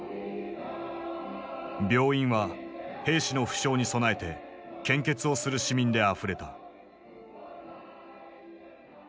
病院は兵士の負傷に備えて献血をする市民であふれた。